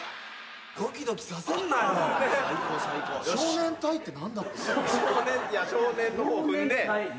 「少年隊」って何だ？